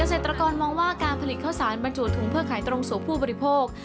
เกษตรกรมองว่าการผลิตข้าวสารบรรจุถุงเพื่อขายตรงสู่ผู้บริโภค